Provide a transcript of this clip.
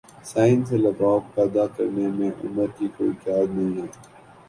science سے لگاؤ پیدا کرنے میں عمر کی کوئی قید نہیں ہے